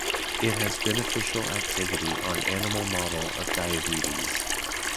It has beneficial activity on animal model of diabetes.